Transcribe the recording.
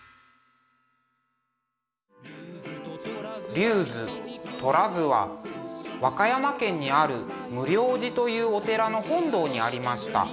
「龍図」「虎図」は和歌山県にある無量寺というお寺の本堂にありました。